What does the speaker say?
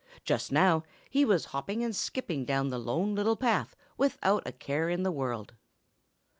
Just now he was hopping and skipping down the Lone Little Path without a care in the world.